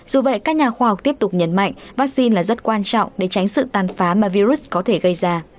dù vậy các nhà khoa học tiếp tục nhấn mạnh vaccine là rất quan trọng để tránh sự tàn phá mà virus có thể gây ra